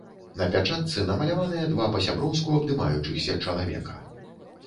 На пячатцы намаляваныя два па-сяброўску абдымаючыхся чалавека.